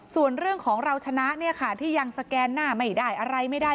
ส่วนเรื่องของเราชนะเนี่ยค่ะที่ยังสแกนหน้าไม่ได้อะไรไม่ได้